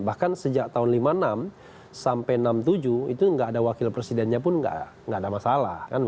bahkan sejak tahun seribu sembilan ratus lima puluh enam sampai enam puluh tujuh itu nggak ada wakil presidennya pun nggak ada masalah